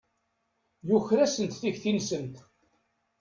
Yuker-asent tikti-nsent.